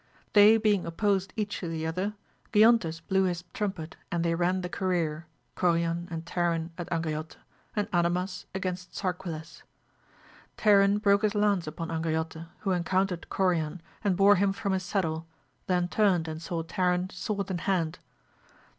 They being opposed each to the other, Giontes blew his trumpet and they ran the career, Corian and Tarin at Angriote, and Adamas against Sarquiles. Tarin broke his lance upon Angriote, who encountered Corian, and bore him from his saddle, then turned and saw Tarin sword in hand.